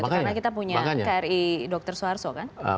karena kita punya kri dr soeharto kan